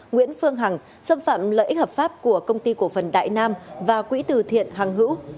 nguyễn phương hằng xâm phạm lợi ích hợp pháp của công ty cổ phần đại nam và quỹ từ thiện hàng hữu